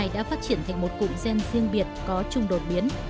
đã phát triển thành một cụm gen riêng biệt có chung đột biến